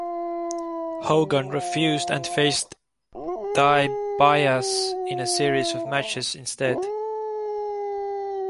Hogan refused and faced DiBiase in a series of matches instead.